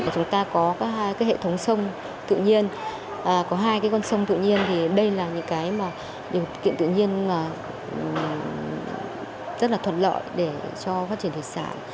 chúng ta có các hệ thống sông tự nhiên có hai con sông tự nhiên thì đây là những cái điều kiện tự nhiên rất là thuận lợi để cho phát triển thủy sản